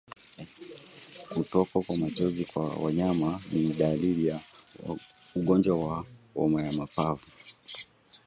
Kutokwa machozi kwa wanyama ni dalili ya ugonjwa wa homa ya mapafu